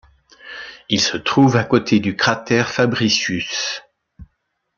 Il se trouve à côté du cratère Fabricius.